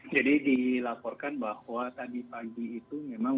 jadi dilaporkan bahwa pagi pagi itu memang